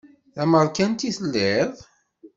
D amerkanti i telliḍ?